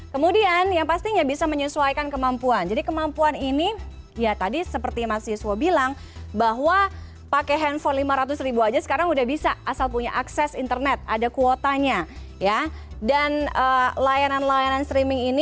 kemudian yang pastinya bisa menyesuaikan kemampuan jadi kemampuan ini ya tadi seperti mas yuswo bilang bahwa pakai handphone lima ratus ribu aja sekarang udah bisa asal punya akses internet ada kuotanya ya dan layanan layanan streaming ini